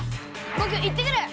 ぼく行ってくる！